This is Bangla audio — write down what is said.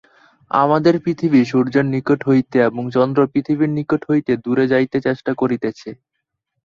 আমাদের পৃথিবী সূর্যের নিকট হইতে এবং চন্দ্র পৃথিবীর নিকট হইতে দূরে যাইতে চেষ্টা করিতেছে।